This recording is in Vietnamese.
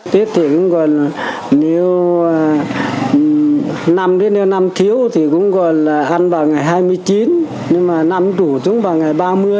tết thì cũng còn nếu năm thiếu thì cũng còn ăn vào ngày hai mươi chín nhưng mà năm đủ chúng vào ngày ba mươi